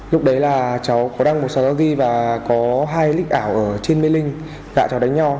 lúc đấy là cháu có đăng một số ghi và có hai lịch ảo ở trên mê linh gã cháu đánh nhau